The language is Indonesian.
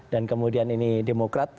dan kemudian ini demokrat